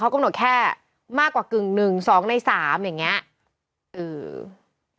กำหนดแค่มากกว่ากึ่งหนึ่งสองในสามอย่างเงี้ยเออ